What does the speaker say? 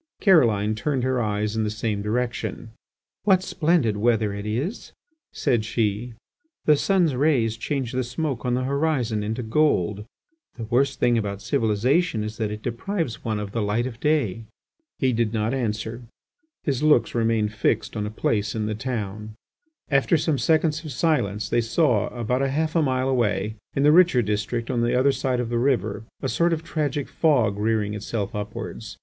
Caroline turned her eyes in the same direction. "What splendid weather it is!" said she. "The sun's rays change the smoke on the horizon into gold. The worst thing about civilization is that it deprives one of the light of day." He did not answer; his looks remained fixed on a place in the town. After some seconds of silence they saw about half a mile away, in the richer district on the other side of the river, a sort of tragic fog rearing itself upwards.